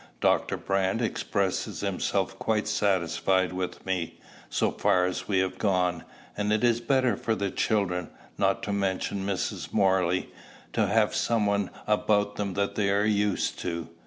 Dr. Brand expresses himself quite satisfied with me, so far as we have gone; and it is better for the children, not to mention Mrs. Morley, to have some one about them they are used to."